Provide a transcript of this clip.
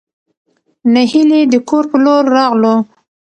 نهېلى د کور په لور راغلو.